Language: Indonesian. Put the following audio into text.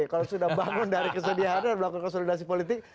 kalau sudah bangun dari kesedihan dan melakukan konsolidasi politik